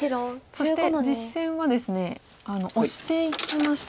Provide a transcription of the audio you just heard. そして実戦はですねオシていきました。